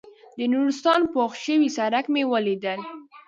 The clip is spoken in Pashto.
د نورستان په پوخ شوي سړک مې ولیدل.